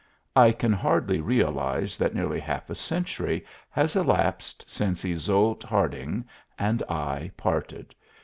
I can hardly realize that nearly half a century has elapsed since Yseult Hardynge and I parted.